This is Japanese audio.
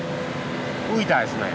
浮いたですね。